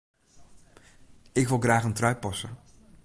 Ik wol graach in trui passe.